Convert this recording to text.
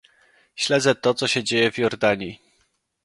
Śledzę to, co dzieje się w Jordanii